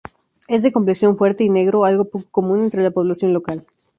Es de complexión fuerte y negro, algo poco común entre la población local.